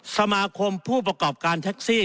สมาคมผู้ประกอบการแท็กซี่